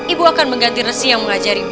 ibu akan mengganti resi yang mengajari